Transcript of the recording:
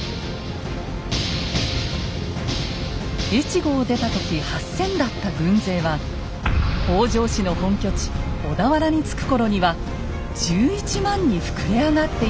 越後を出た時８，０００だった軍勢は北条氏の本拠地小田原に着く頃には１１万に膨れ上がっていました。